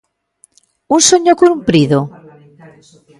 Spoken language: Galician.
Un soño cumprido?